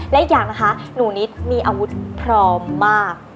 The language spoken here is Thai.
และอีกอย่างนะคะหนูนิดมีอาวุธพร้อมมาก